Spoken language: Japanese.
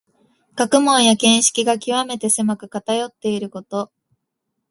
学問や見識がきわめて狭く、かたよっていること。